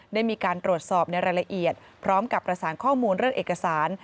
ได้มีการตรวจสอบในรายละเอียดพร้อมกับประสานข้อมูลเรื่องเอกสาร